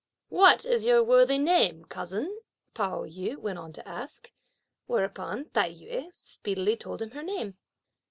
"What is your worthy name, cousin?" Pao yü went on to ask; whereupon Tai yü speedily told him her name.